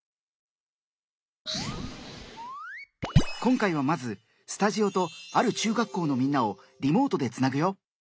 今回はまずスタジオとある中学校のみんなをリモートでつなぐよ！